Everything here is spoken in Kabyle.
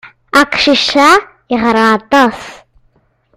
Aqcic-a yeɣra aṭas.